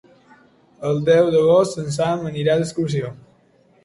El deu d'agost en Sam anirà d'excursió.